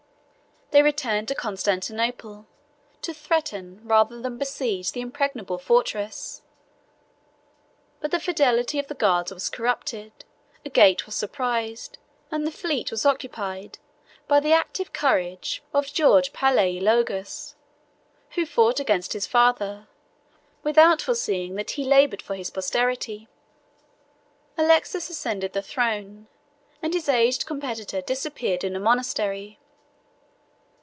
They returned to Constantinople, to threaten rather than besiege that impregnable fortress; but the fidelity of the guards was corrupted; a gate was surprised, and the fleet was occupied by the active courage of George Palaeologus, who fought against his father, without foreseeing that he labored for his posterity. Alexius ascended the throne; and his aged competitor disappeared in a monastery.